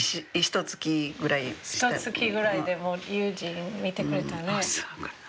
ひとつきぐらいでもう悠仁見てくれたね。